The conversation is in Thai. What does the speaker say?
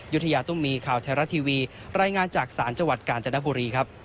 ยุธยาตุ้มมีข่าวไทยรัฐทีวีรายงานจากศาลจังหวัดกาญจนบุรีครับ